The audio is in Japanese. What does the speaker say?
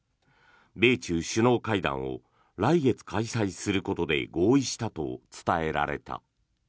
米中首脳会談を来月開催することで合意したと伝えられた。